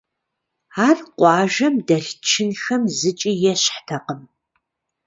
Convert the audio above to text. Ар къуажэм дэлъ чынхэм зыкӀи ещхьтэкъым.